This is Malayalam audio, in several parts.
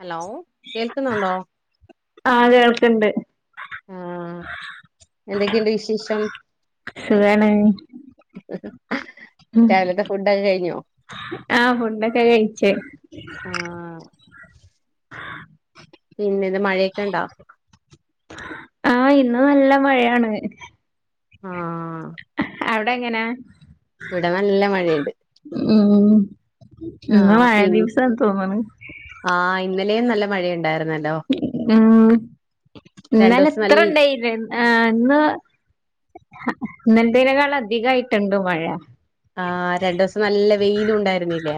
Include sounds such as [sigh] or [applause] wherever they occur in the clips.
ഹലോ കേൾക്കുന്നുണ്ടോ. ആഹ് കേൾക്ക്ണ്ട് ആ എന്തൊക്കെയുണ്ട് വിശേഷം. സുഖാണ്. ഉം രാവിലത്തെ ഫുഡൊക്കെ കഴിഞ്ഞോ ആ ഫുഡൊക്കെ കഴിച്ചേ. ആഹ് പിന്നെ ഇന്ന് മഴയൊക്കെ ഇണ്ടാ? ആ ഇന്ന് നല്ല മഴയാണ്. ആ ആ.... അവിടെ എങ്ങനാ? ഇവിടെ നല്ല മഴയുണ്ട്. ഉം ഇന്ന് ആഹ് മഴ പി ദിവസം ആന്നു തോന്നുന്നു ലയും നല്ല മഴയുണ്ടായിരുന്നു. ഉ ആ രണ്ടു ഇന്നലെ ദിവസം ഇത്ര നല്ല ഉണ്ടായിരിന്ന ആ ഇന്ന് ഇന്നലെത്തെരകാൾ അധികമായിട്ടുണ്ടോ മഴ. ആഹ് രണ്ടു ദിവസം നല്ല വെയിലും ഉണ്ടായിരുന്നില്ലേ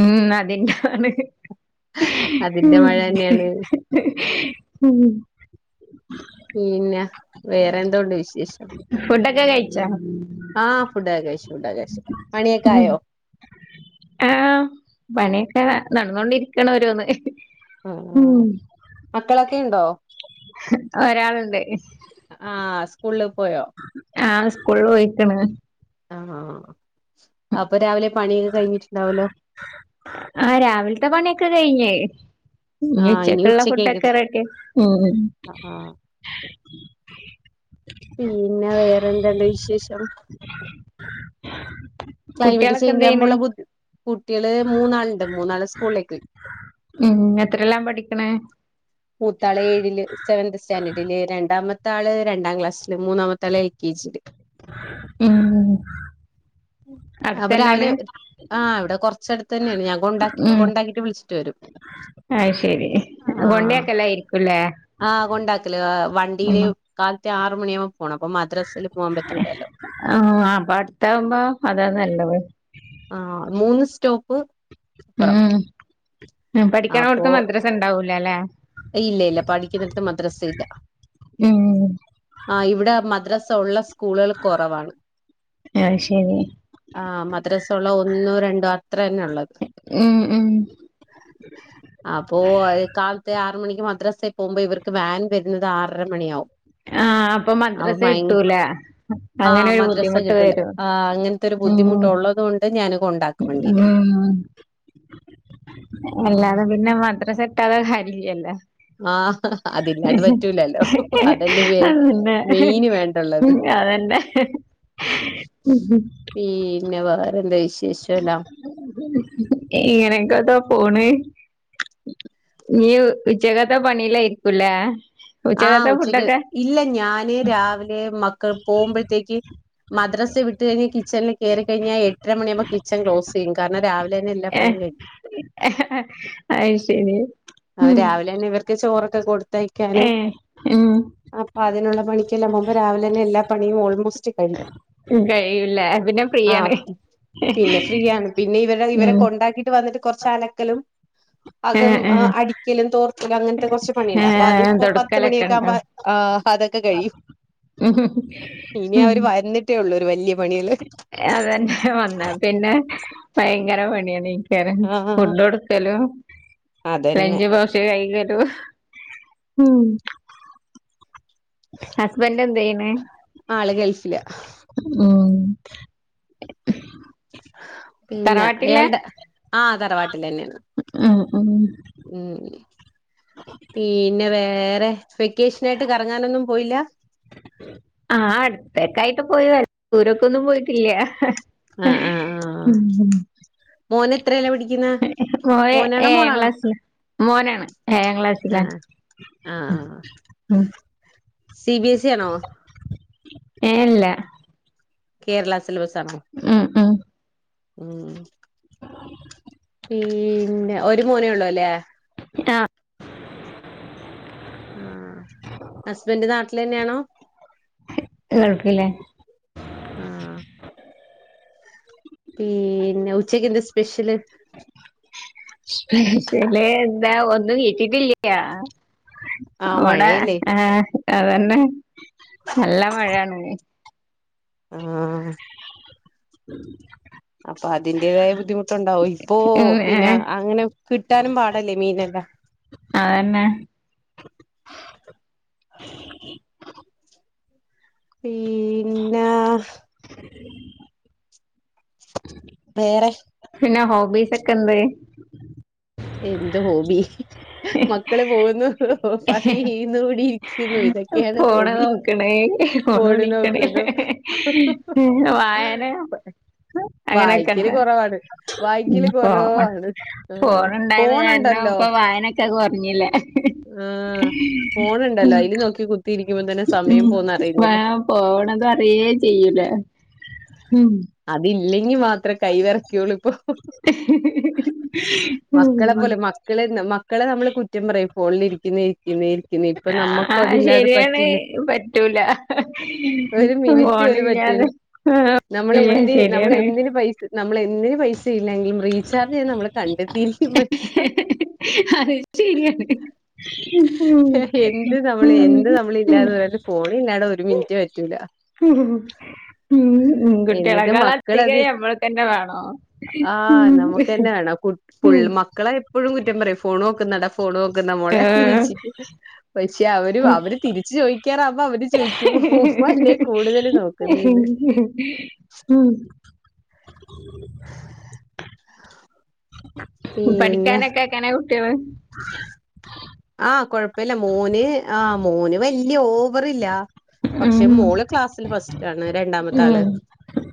ഉം അതിന്താണ്? അതിന്റെ മഴ തന്നെയാണ് [unintelligible] പിന്നെ വേറെ എന്തോണ്ട് വിശേഷം. [inaudible] കഴിച്ച ആ ഫുഡൊക്കെകയ്ച്ചു ഫുഡൊക്കെകയ്ച്ചു പണിയൊക്കെ ആയോ? ആ പണിയൊക്കെ നടന്നോണ്ടിരിക്കണ ഒരോന്ന്. മക്കളൊക്കെ ഉണ്ടോ? ഒരാളുണ്ട് ആ സ്കൂളിലും ആ സ്കൂളില പോയിരിക്കണ അവൻ. ആണോ അപ്പൊ രാവിലെ പണിയൊക്കെ കഴിഞ്ഞിട്ടുണ്ടാവല്ലോ ആ രാവിലത്തെ പണിയൊക്കെ കഴിഞ്ഞേ ഇനി ആഹ് ച്ചക്കുള്ള ഉച്ചക്കേക്കത് ഫുട്ടൊക്കെ റെഡി ആഹ് ആഹ് പിന്നെ വേറെന്തുണ്ട് വിശേഷം ക്ലൈമറ്റ് കുട്ടികളൊക്കെ ചേഞ്ച് എന്ത് ആവുമ്പോ ചെയ്യണ് ഉള്ള ബുദ്ധി കുട്ടികള് മൂന്നാളുണ്ട് മൂന്നാള് സ്കൂളിലേകോയ് എത്രല്ലാം പഠിക്കണ് മൂത്താള ഏഴില് സേവൻത് സ്റ്റാൻഡേർഡില് രണ്ടാമ ആള് രണ്ടാം ക്ലാസ്സില് മൂന്നാമത്തെ ആള് എൽ കെ ജിയില്. ഉം അപ്പൊ അടുത്തന്നാണ്? രാവിലെ ആഹ് ഇവിടെ കുറച്ചടത്ത് തന്നെയാണ് ഞാൻ കൊണ്ടാക്കിട്ട് വിളിച്ചിട്ട് വരും. ആഹ ശരി കൊണ്ടെക്ക ആഹ കൊണ്ടാക്കലേ വണ്ടിയില് ഉം കാലത്തെ ആറ മണിയാവും പോണ അപ്പ മദ്രാസിൽ പോവാൻ പറ്റൂലല്ലോ. ആഹ് അപ്പൊ അടുത്താവുമ്പോ അതാ നല്ലത് ആ മൂന്ന് സ്റ്റോപ്പ് പ്പറം. പഠികണ്ണോട്ത് മദ്രസ ണ്ടാവൂലല്ലെ? ഇല്ല ഇല്ല പഠിക്കുന്നിടത്ത് മദ്രാസ ഇല്ല ഉം ആ ഇവിടെ മദ്രാസ് സ്കൂളുകൾ കുറവാണ്. അത് ശരി ആഹ് മദ്രാസ ഉള്ള ഒന്നോ രണ്ടോ അത്ര തന്നെ ഉള്ളത് ഉം ഉം അപ്പൊ അ കാൽ മ മണിക്ക് മദ്രാസൽ പോകുമ്പോ ഇവർക്ക് വൻ വരുന്നത് ആറരണിയാവും. ആഹ് ആഹ് അപ്പൊ മദ്രസ ഇട്ടൂല ആഹ് അങ്ങനെരു മദ്രസ ബുദ്ധിമുട്ട് വരും. ഉള്ളതുകൊണ്ട് ഞാൻ കൊണ്ടാക്കും ഉ വണ്ടിയില് ആഹ് എല്ലതും പിന്നെ മന്ത്രസട്ടതെ ഇല്ലയല്ല ആഹ് അതില്ലാണ്ട് പറ്റൂലല്ലോ അതല്ലേ വേ അന്നെ മെയിന് അതന്നെ പിന്ന വേറെ ഇങ്ങനെക്കതാ പോണ് നീ ച്ചക്കത്ത പണില്ല ഇരികുല്ലേ? ആഹ ഉച്ചക്ക് ഇല്ല ഞാന് രാവിലെ മക്കൾ പോകുമ്പോഴത്തേക്ക്. മദ്രാസെ വിട്ട് കഴിഞ്ഞ കിച്ചനിൽ കയറ കഴിഞ്ഞാൽ എട്ടര മണിയാവുമ്പോ കിച്ചൺ ക്ലോസ് ചെയ്യും കാരണം രാവിലെ തന്നെ എല്ലാ പണിയും കഴിയും അ ശരി അ ഉം രാവിലെന്നെ ഇവർക്ക് ചോറൊക്കെ കൊടുത്ത ഏ കാനും ഉം അപ്പ അതിനുള്ള പണിക്കല്ലാംകുമ്പ രാവിലെ തന്നെ എല്ലാ പണിയും ഓൾമോസ്റ്റ് കഴി കഴയൂല്ല പിന്നെ ഫ്രീയാണ് പിന്നെ ഫ്രീ ആണ് പിന്നെ ഇവരെ ഇവരെ ഉം കൊണ്ടാക്കിട്ട് വന്നിട്ട് കുറച്ച് അലക്കലും ഉം അകം ഉം അടിക്കലും തോർത്തലും അങ്ങനത്തെ കുറച്ച് പണിയുണ്ട അപ്പൊ അത്പ്പോ തൊടക്കലൊക്കെ പത്തുമണിയൊക്കെ ഉണ്ടോ ആകുമ്പോ ആ അതൊക്കെ കഴിയും ഇനി ഉം അവര് വരന്നിട്ടേ ഉള്ളൂ ഒരു വല്യ അതന്നെ വന്ന പിന്നെ ഭയങ്കര പണിയണ് ആ ഫുഡ് എടുക്കലും അതന്നെ ലഞ്ച് പോക്സ് കൈകലും. ഉം ഹസ്ബൻറ് എന്തീയ്ണ് ആള് ഗൾഫില് പിന്നെ തറവാട്ടിലാ ഇയാൾടെ ആ തറവാട്ടിൽ തന്നെയ ഉം ഉം ഉം പിന്നെ വേറെ? വെക്കേഷന ആയിട്ട് കറങ്ങാനൊന്നും പോയില്ല? പോയ ദൂരൊക്കെ ഒന്നും പോയിട്ടില്ല ആ ആ ആ മോന് എത്രേലാ പഠിക്കുന്നെ ഏ മോനാണോ എഴാ മോളാണോ ഗ്ലാസിൽ മോനാണ് ഏഴാം ക്ലാസില ആ ആ മ് സി ബിഎസ് ഇ ആണോ ഏ ല്ല കേരള സിലബസാണോ ഉം ഉം പിന്നെ ഒരു മോനേ ഉള്ളൂല്ലേ ആ ആഹ ഹസ്ബൻഡ് നാട്ടിൽ തന്നെയാണോ ഗൾഫില ആ പിന്നെ ഉച്ചക്ക്ന്ത സ്പെഷ്യൽ സ്‌പെഷ്ല് എന്താ ഒന്നും കിട്ടിട്ടില്ല ആ അവിടെ മഴയല്ലേ അതന്നെ നല്ല മഴയാണ് ആഹ ഉ അപ്പൊ അതിന്റെതായ ബുദ്ധിമുട്ടുണ്ടാവും ഇപ്പൊ ഉം പിന്നെ ഏഹ് അങ്ങനെ കിട്ടാനും പാടല്ലേ മീനെല്ലാം തന്നെ പിന്നെ വേറെ പിന്നെ ഹോബിസ് ഒക്കെ എന്ത് എന്ത് ഹോബി മക്കള് പോകുന്നു പണി ചെയ്യുന്നു [unintelligible] ക്കെയാണ് ഫോണ് ഹോബി നോക്കണ് ഫോണ് നോക്കുന്നു വായന അങ്ങനെയൊക്കെ വായിക്കല് ഇണ്ട കൊറവാണ് വായിക്കല് ഇപ്പൊ കുറവാണ് ആ ഫോൺ ഫോ ഉണ്ടായത് കാരണം ഫോണണ്ടല്ലോ ഇപ്പൊ വായനൊക്കെ കൊറഞ്ഞില്ലേ ആ ഫോൺ ഉണ്ടല്ലോ അയില് നോക്കി കുത്തിയിരിക്കുമ്പോ തന്നെ ഉം സമയം പോന്ന വേ അറിയുന്നില്ല പോവണത അറിയേ ചെയ്യൂലാ ഉം ഇല്ലെങ്കി മാത്രമേ കൈ വിറക്കോള്ളൂ ഇപ്പൊ മക്കളെ ഉം പോലെ മക്കള മക്കളെ നമ്മള് കുറ്റം പറയും ഫോണിൽ ഇരിക്കുന്ന ഇരിക്കുന്നൽ ആഹ ശരിയാണ് പറ്റൂല ഒരു ഫോണില്ല തെ ആ നമ്മളെന് നമ്മളെന്തിന് പൈസ നമ്മളു എന്തിനു പൈസ ഇല്ലെങ്കിലും റീചാർജ് ചെയ്യ നമ്മള് കണ്ടെത്തിയിരിക്കും പൈസ അതെ ശരിയാണ് ഫോണ ഇല്ലാതെ ഒരു മിനിറ്റ് പറ്റൂല എന്നിട്ട് ഉകുട്ടികളക്കാള അധികം മക്കളത് നമ്മൾ തന്നെ വേണോ ആഹ് ഉം നമുക്കതന്നെ ഉം വേണം മക്കളെ എപ്പോഴും കുറ്റം പറയും ഫോൺ നോക്കുന്നട ഫോൺ ക്കുന്നു മോളന്ന് ഏഹ് വച്ചി പക്ഷെ അവര് അവര് തിരിച്ചു ചോയി ക്കാറാ അ്പൊ അവര് ചോയ്ക്കു ഉമ്മ അല്ലേ കൂടുതല് നോക്കുന്നന്ന് ഉം പിന്നെ പഠിക്കാനൊക്കെക്കനെ കുട്ടികള് ആഹ കൊഴപ്പില്ല മോന് ആഹ് മോന് വല്യ ഓ വറില്ല പക്ഷെ ഉം മോള് ക്ലാസ്സില് ഫസ്റ്റ് ആണ് രണ്ടാമത്തെ ആള് ഉം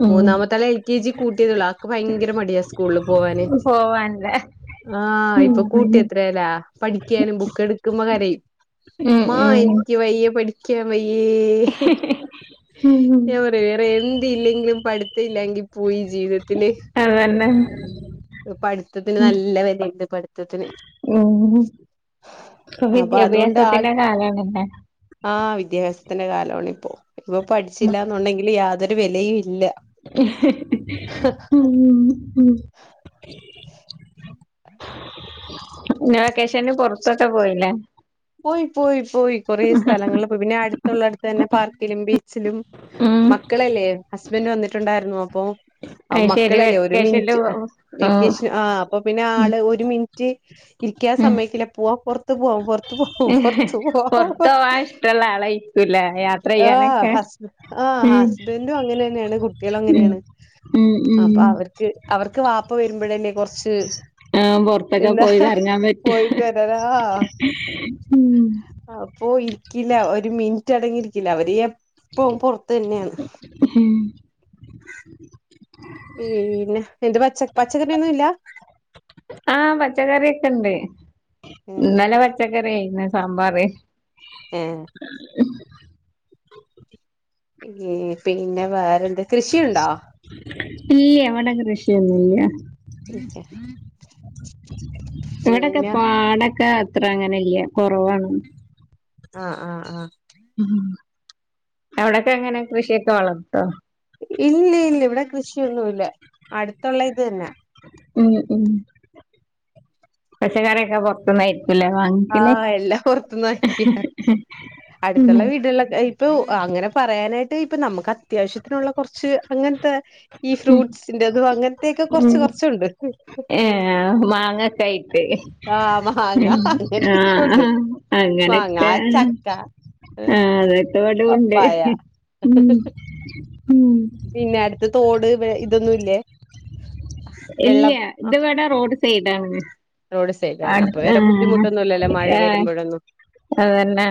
ഉം മൂന്നാമത്താല എൽ കെ ജി കൂട്ടിയതള്ളു ആക്ക് ഭയങ്കര മടിയാ സ്കൂളിൽ പോവാന് പോവാൻല്ലേ ആഹ് ഉം ഇപ്പൊ കൂട്ടി എത്രല്ല പഠിക്കാനും ബു ക്കു മ്മ കരയും ഉം മ്മാ ഉം എനിക്ക് വയ്യ പഠിക്കാൻ വയ്യ ഉം ഏ പറ വേറെ എന്ത് ഇല്ലെങ്കിലും പഠത്ത ഇല്ലങ്കി പോയി ജീവിതത്തില്. അതന്നെ പഠിത്തത്തിന് നല്ല വിലയ്ണ്ട് പഠിത്തത്തിന്. ഉം ഇപ്പൊ അപ്പൊ അതുകൊണ്ട് ആൾ, വിദ്യാഭ്യാസത്തിന്റെ കാലാണല്ലേ ആ വിദ്യാഭ്യാസത്തിന്റെ കാലവാണ്. ഇപ്പൊ പഠിച്ചില്ല എന്നുണ്ടെങ്കില് യാതൊരു വിലയും ഇല്ല. ഉം. ഉം. [unintelligible] വെക്കേഷന് പൊറത്തോക്കെ പോയിലേ. പോയി പോയി പോയി കൊറേ സ്ഥലങ്ങളിൽ പോയി പിന്നെ അടുത്തുള്ള അടുത്ത് തന്നെ പാർക്കിലും ബീച്ചിലും. ഉം മക്കളല്ലേ ഹസ്ബൻഡ് വന്നിട്ടുണ്ടായിരുന്നോ അപ്പൊ. ആ അത് ശരി മക്കളല്ലേ ഒരു വെക്കേഷനില് മിനിറ്റ് വെക്കേഷൻ ആഹ് അപ്പൊ പിന്നെ ആള് ഒരു മിനിറ്റ് ഇരിക്കാൻ സമ്മയ്ക്കൂല്ല പോവാ പൊറത്ത് പോവാ പൊറത്ത് പോവാ പൊറത്ത് പോവാ പൊറത്ത് പോവാൻ [unintelligible] ഇഷ്ടള്ള ആളായിരിക്കൂല്ലേ യാത്ര ചെയ്യാനൊക്കെ ഹസ്. ആഹ് ഉം ഹസ്ബൻഡും അങ്ങനെന്നെയാണ് കുട്ട്യേളും ഉം അങ്ങനെയാണ്. ഉം അപ്പൊ ഉം അവർക്ക് അവർക്ക് വാപ്പ വരുമ്പോഴല്ലേ കൊറച്ച്. ആം പൊർത്തൊക്കെ എന്താ പോയി കറങ്ങാൻ പറ്റി. പോയിട്ട് വരാനാ അപ്പൊ ഇരിക്കില്ല ഒരു മിനി റ്റടങ്ങിയിരിക്കില്ല അവര് എപ്പം പൊർത്തെന്നെണ്. [unintelligible] പിന്നെ, എന്ത് പച്ച പച്ചക്കറിയൊന്നും ഇല്ലാ. ആഹ് പച്ചക്കറിയൊക്കെ ഇണ്ട് ഇന്നലെ പച്ചക്കറി ആയിര്ന്ന് സാമ്പാറ്. ഏഹ് ഉം പിന്നെ, വേറെന്താ കൃഷിയ്ണ്ടോ? ഇല്ല്യ, ഇവ്ടെ കൃഷിയൊന്നുല്ല്യ. ഇവ്ടൊക്കെ പിന്നെ പാടൊക്കെ. അത്ര അങ്ങനെല്ല്യ കൊറവാണ്. ആഹ് ആഹ് ആഹ്. ഉം അവിടൊക്കെ എങ്ങനെ കൃഷിയൊക്കെ വളർത്തോ? ഇല്ല്യ ഇല്ല്യ ഇവിടെ കൃഷിയൊന്നുല്ല്യ അടുത്തുള്ള ഇത് തന്നെ. ഉം ഉം പച്ചക്കറിയൊക്കെ പൊറത്ത്ന്ന ആഹ് എല്ലാം പൊറത്ത്ന്നാക്കിയ, ഉം അട്ത്ത്ള്ള വീടേളൊ പ്പു അങ്ങനെ പറയാനായിട്ട് ഇപ്പൊ നമ്മക്ക് അത്യാവശ്യത്തിനുള്ള കുറച്ച് അങ്ങൻ ത്തെ. ഈ ഫ്രൂട്ട്സിന്റെതും അങ്ങനത്തെയൊക്കെ കൊറച്ച് ഉം കൊറച്ച്ണ്ട്. ഏഹ് മാങ്ങക്കെയ് തെ ആഹ് മാങ്ങ അങ്ങനത്തെയൊക്കെ ഉണ്ട് ആഹ് മാങ്ങ അങ്ങനൊക്കെണ് ചക്ക ആഹ് അതൊക്കെ ഇവ്ടൂണ്ട്. പപ്പായ പിന്നെ അടുത്ത് തോട്, വെ ഇതൊന്നും ഇല്ലേ. ഇല്ല്യ, ഇത് ഇവടെ റോഡ് സൈഡാണ്. റോഡ് സൈഡാണ് അപ്പൊ വേറെ [unintelligible] ബുദ്ധിമുട്ടൊന്നുല്ലല്ലോ മഴ ഏഹ് [unintelligible] വരുമ്പോഴൊന്നും അതന്നെ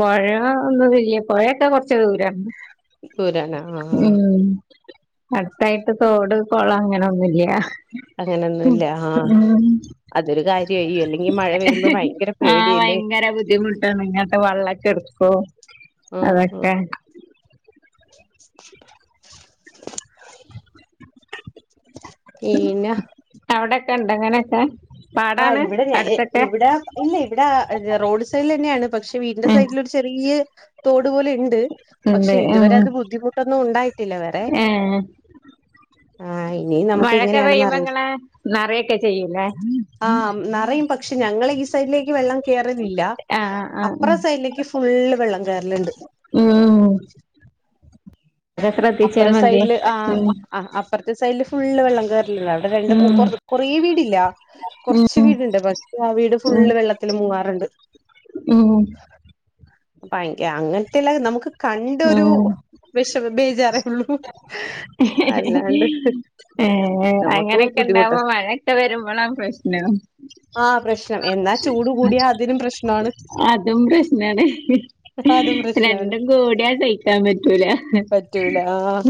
പൊഴ ഒന്നുല്ല്യ, പൊഴയൊക്കെ കൊറച്ച് ദൂരാണ്. ദൂരാണ് ആ ആ ഉം, അടുത്തായിട്ട് തോട് കൊളം അങ്ങനൊന്നുല്ല്യ. അങ്ങനൊന്നുല്ല ആ അതൊരു കാര്യായി അല്ലെങ്കി മഴ വരുമ്പോ ഭയങ്കര ആഹ് പേടിയല്ലേ ഭയങ്കര ബുദ്ധിമുട്ടാണ് ഇങ്ങക്ക് വെള്ളക്കെ എടു ഓഹ് ആ ആ അതെക്കെ. [unintelligible] കണ്ട് അങ്ങനെക്ക ആഹ് ഇവിടെ ഞ ഇ ഇവിട ഇല്ല ഇവിട റോഡ് സൈഡില് തന്നെയാണ് പക്ഷെ വീടിന്റെ ഉം സൈഡില് ഒരു ചെറിയ തോടു പോലെ ഇണ്ട്. പക്ഷെ ഉണ്ട് ഉം ഇതുവരെ അത് ബുദ്ധിമുട്ടൊന്നും ഉണ്ടായിട്ടില്ല വേറെ. ഏ ആ ഇനി നമുക്ക് മഴേക്ക എങ്ങനെയാണെന്ന് പെയ്യുമ്പോ അറിയില്ല ഇങ്ങളെ നെറയേക്ക ചെയ്യൂലേ. ആഹ് നെറയും പക്ഷെ ഞങ്ങളെ ഈ സൈഡിലേക്ക് വെള്ളം കേറലില്ല. ആ ആ ഉം അപ്പറം സൈഡിലേക്ക് ഫുള്ള് വെള്ളം കേയറലുണ്ട് [inaudible] അത് ശ്രദ്ധിച്ചാ അപ്പറ മതി സൈഡിൽ ആഹാ ഉം അഹ് അപ്പ അപ്പറ സൈഡിൽ ഫുൾ വെള്ളം കയറാലുണ്ട് അവിടെ രണ്ട് ഉം പുകോർതെ കൊറേവീടുണ്ട് വീില്ല കുറച്ച് ഉം വീടുണ്ട് പക്ഷെ ആ വീട് ഉം ഫുള്ള് വെള്ളത്തില് മുൂങ്ങാറുണ്ട് ഉം അപ്പ ഭയങ്ക അങ്ങനത്തെല്ല നമുക്ക് കണ്ടൊരു ഉം വിഷമ ബേജാറേ ഉള്ളൂ അല്ലാണ്ട് ഏ നമുക്ക് അങ്ങനെയൊക്കെ ബുദ്ധിമുട്ടാ ഇണ്ടാവുമ്പോ മഴയൊക്കെ വരുമ്പോളാ പ്രശ്നം ആഹ പ്രശ്നം എന്നാ ചൂട് കൂടിയാ അതിനും പ്രശ്നമാണ് അതും പ്രശ്നാണ് രണ്ടും കോടി തയ്ക്കാൻ പറ്റൂല പറ്റൂല ആഹ്